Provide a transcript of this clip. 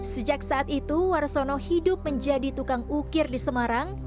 sejak saat itu warsono hidup menjadi tukang ukir di semarang